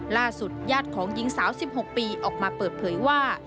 ญาติของหญิงสาว๑๖ปีออกมาเปิดเผยว่า